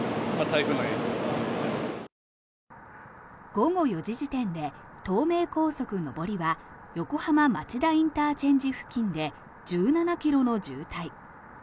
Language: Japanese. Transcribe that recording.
午後４時時点で東名高速上りは横浜町田ＩＣ付近で１７ｋｍの渋滞。